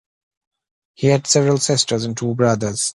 He had several sisters and two brothers.